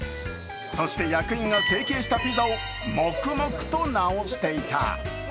そして、役員が成形したピザを黙々と直していた。